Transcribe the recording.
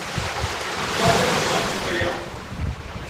Maɣef ay d-tesɣam akk aya?